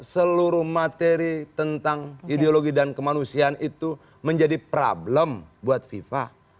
seluruh materi tentang ideologi dan kemanusiaan itu menjadi problem buat viva